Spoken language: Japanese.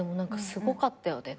すごかった。